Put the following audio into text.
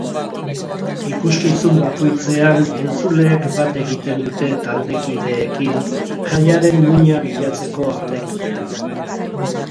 Ikuskizun bakoitzean entzuleek bat egiten dute taldekideekin jaiaren muina bilatzeko ahaleginean.